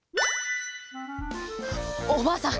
おばあさん